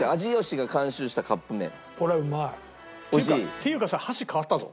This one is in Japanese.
っていうかさ箸変わったぞ。